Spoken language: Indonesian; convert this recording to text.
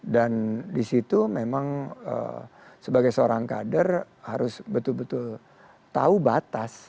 dan di situ memang sebagai seorang kader harus betul betul tahu batas